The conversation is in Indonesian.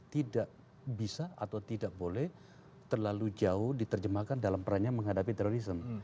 tidak bisa atau tidak boleh terlalu jauh diterjemahkan dalam perannya menghadapi terorisme